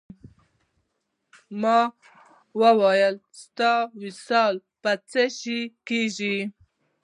ما وویل ستا وصل په څه شی کېږي.